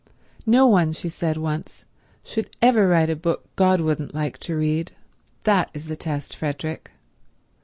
"No one," she said once, "should ever write a book God wouldn't like to read. That is the test, Frederick."